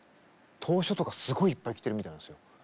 投書とかすごいいっぱい来てるみたいなんですよ。